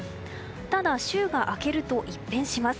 ただ、週が明けると一変します。